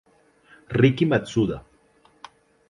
Riki Matsuda